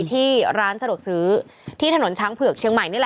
ที่ร้านสะดวกซื้อที่ถนนช้างเผือกเชียงใหม่นี่แหละ